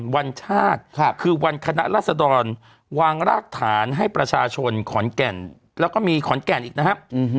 วันชาติคือวันคณะรัศดรวางรากฐานให้ประชาชนขอนแก่นแล้วก็มีขอนแก่นอีกนะครับ